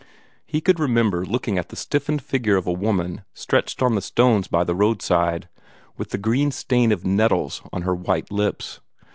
He could remember looking at the stiffened figure of a woman stretched on the stones by the roadside, with the green stain of nettles on her white lips.